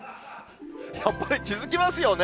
やっぱり気付きますよね。